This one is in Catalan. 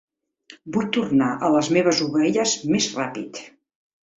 Vull tornar a les meves ovelles més ràpid.